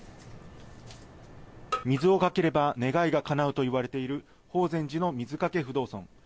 水をかければ願いがかなうといわれている法善寺の水掛け不動尊。